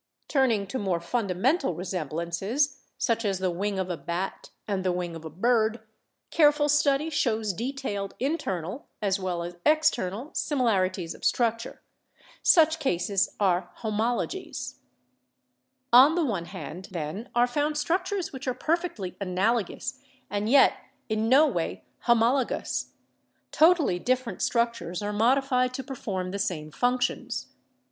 Turning to more fundamental resemblances, such as the wing of a bat and the wing of a bird, careful study shows detailed internal as well as external similar ities of structure. Such cases are 'homologies/ Bat. Bird. Archseopteryx. Pterodactyl. Fig. 15 — Homologies in Wings. (LeConte.) On the one hand, then, are found structures which are perfectly analogous and yet in no way homologous : totally different structures are modified to perform the same functions.